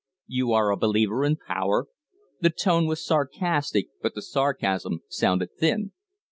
"You are a believer in power?" The tone was sarcastic, but the sarcasm sounded thin.